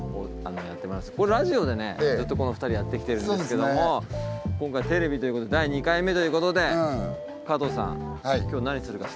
ラジオでずっとこの２人やってきてるんですけども今回テレビ第２回目ということで加藤さん今日何するか知ってます？